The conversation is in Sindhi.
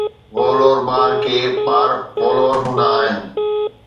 وولور ٻار ڪي ٻار ولور هوندا آهن.